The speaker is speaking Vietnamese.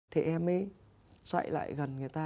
thì em mới chạy lại gần người ta